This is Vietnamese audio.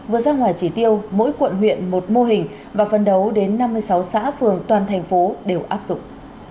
vừa ra ngoài chỉ tiêu mỗi quận huyện một mô hình và phân đấu đến năm mươi sáu xã phường toàn thành phố đều áp dụng